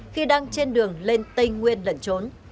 khi đang trên đường lên tây nguyên lẩn trốn